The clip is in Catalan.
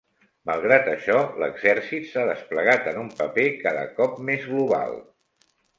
Malgrat això, l'Exèrcit s'ha desplegat en un paper cada cop més global.